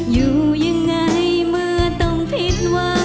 อยู่ยังไงเมื่อต้องคิดว่า